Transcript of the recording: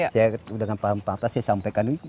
saya sudah dengan pantas saya sampaikan ini